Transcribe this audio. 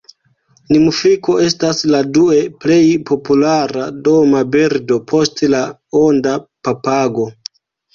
Nimfiko estas la due plej populara doma birdo post la onda papago.